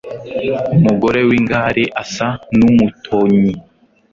Umugore w’ingare asa n’umutonyi